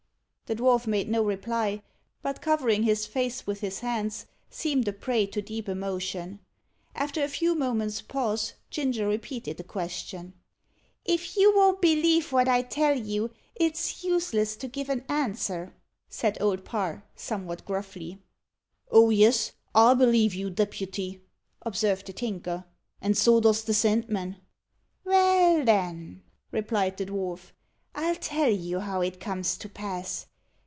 The dwarf made no reply, but covering his face with his hands, seemed a prey to deep emotion. After a few moments' pause, Ginger repeated the question. "If you won't believe what I tell you, it's useless to give an answer," said Old Parr, somewhat gruffly. "Oh yes, I believe you, deputy," observed the Tinker, "and so does the Sandman." "Well, then," replied the dwarf, "I'll tell you how it comes to pass.